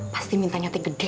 pasti minta nyate gede